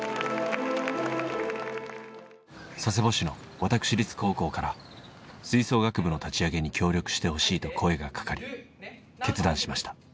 佐世保市の私立高校から吹奏楽部の立ち上げに協力してほしいと声がかかり決断しました。